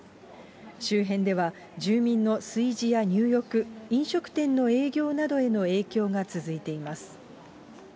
周辺では住民の炊事や入浴、飲食店の営業などへの影響が続いています。